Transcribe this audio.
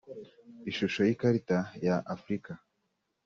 ishusho y’ikarita ya Afurika